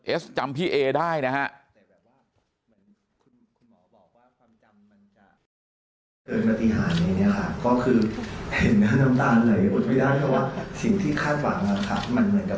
เอสจำพี่เอได้นะฮะ